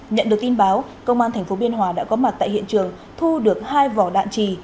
nhận được tin báo công an tp biên hòa đã có mặt tại hiện trường thu được hai vỏ đạn trì